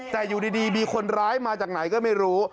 แต่อยู่ดีมีคนร้ายมาจากไหนก็ไม่รู้